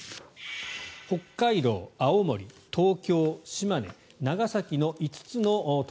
北海道、青森、東京島根、長崎の５つの都